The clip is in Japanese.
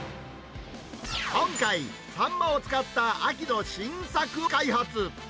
今回、サンマを使った秋の新作を開発。